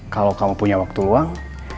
kalau kamu punya waktu luang